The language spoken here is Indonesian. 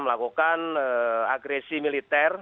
melakukan agresi militer